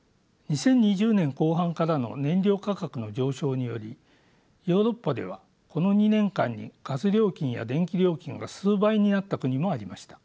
２０２０年後半からの燃料価格の上昇によりヨーロッパではこの２年間にガス料金や電気料金が数倍になった国もありました。